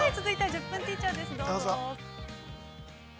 ◆１０分ティーチャー。